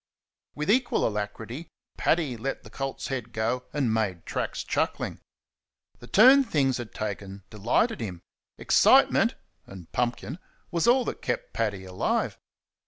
With equal alacrity, Paddy let the colt's head go and made tracks, chuckling. The turn things had taken delighted him. Excitement (and pumpkin) was all that kept Paddy alive.